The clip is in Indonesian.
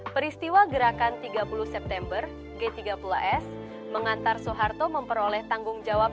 peristiwa gerakan tiga puluh september g tiga puluh s mengantar soeharto memperoleh tanggung jawab